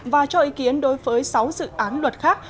và cho ý kiến đối với sáu dự án luật khác